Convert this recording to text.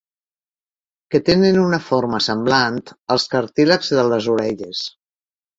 Que tenen una forma semblant als cartílags de les orelles.